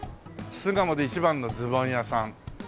「巣鴨で１番のズボン屋さん」。